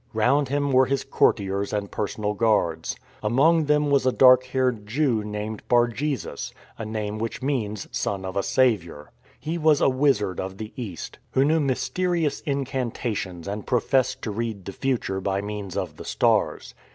Round him were his courtiers and personal guards. Among them was a dark haired Jew named Bar jesus, a name which means " Son of a Saviour." He was a wizard of the East, who knew mysterious incanta tions and professed to read the future by means of the stars.